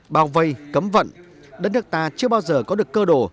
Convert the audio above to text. bao vây cấm vận đất nước ta chưa bao giờ có được cơ đồ